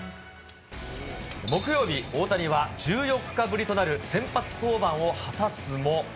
木曜日、大谷は１４日ぶりとなる先発登板を果たすも。